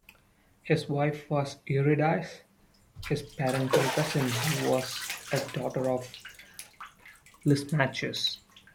His wife was Eurydice, his paternal cousin who was a daughter of Lysimachus.